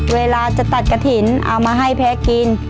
เวลาจะตัดกระถิ่นเอามาให้แพ้กิน